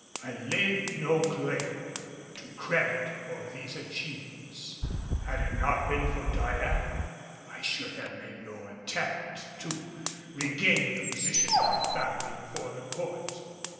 I lay no claim to credit for these achievements. Had it not been for Diane, I should have made no attempt to regain the position of my family before the Court.